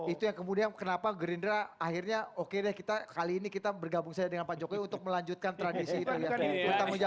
itu yang kemudian kenapa gerindra akhirnya oke deh kita kali ini kita bergabung saja dengan pak jokowi untuk melanjutkan tradisi itu ya